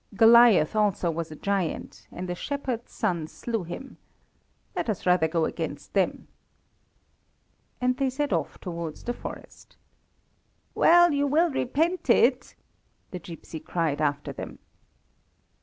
Goliath also was a giant, and a shepherd's son slew him. Let us rather go against them." And they set off towards the forest. "Well, you will repent it," the gipsy cried after them.